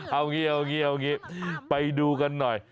เอาอย่างนี้ไปดูกันหน่อย